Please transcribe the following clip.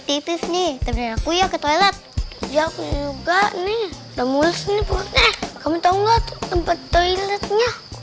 tentang gak tuh tempat toiletnya